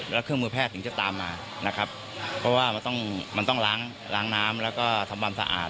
แล้วเครื่องมือแพทย์ถึงจะตามมานะครับเพราะว่ามันต้องมันต้องล้างล้างน้ำแล้วก็ทำความสะอาด